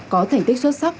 có thành tích xuất sắc